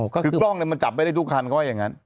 คือกล้องมันจับไม่ได้ทุกคันเขาว่าอย่างนั้น